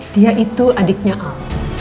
dia itu adiknya al